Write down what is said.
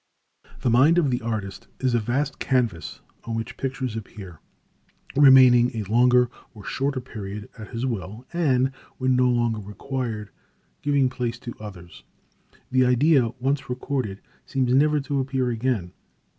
The mind of the artist is a vast canvas on which pictures appear, remaining a longer or shorter period at his will, and, when no longer required, giving place to others. The idea once recorded seems never to appear again.